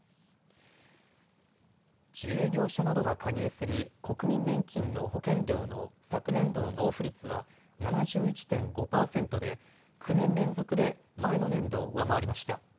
自営業者などが加入する国民年金の保険料の昨年度の納付率は７１．５％で９年連続で前の年度を上回りました。